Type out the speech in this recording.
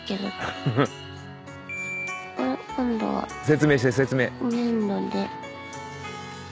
説明して説明。